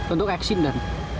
untuk eksik dan